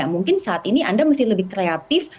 mungkin saat ini anda mesti lebih kreatif